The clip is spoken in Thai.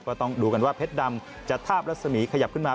ก็ต้องดูกันว่าเพชรดำจะทาบรัศมีขยับขึ้นมา